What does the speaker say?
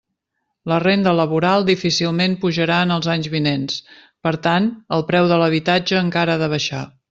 La renda laboral difícilment pujarà en els anys vinents; per tant, el preu de l'habitatge encara ha de baixar.